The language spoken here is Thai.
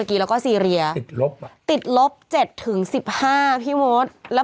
กว่ายี่สิบห้า